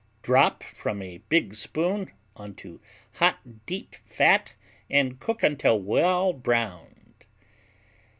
Drop from a big spoon into hot deep fat and cook until well browned.